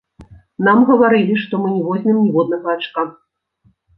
Нам гаварылі, што мы не возьмем ніводнага ачка.